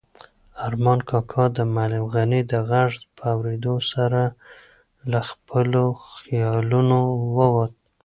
ارمان کاکا د معلم غني د غږ په اورېدو سره له خپلو خیالونو ووت.